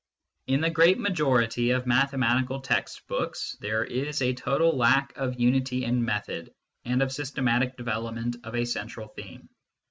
In the great majority of mathematical text books there is a total lack of unity in method and of systematic development of a central theme.